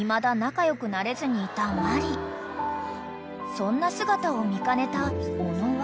［そんな姿を見かねた小野は］